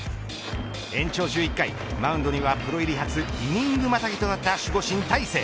延長１１回マウンドにはプロ入り初イニングまたぎとなった守護神、大勢。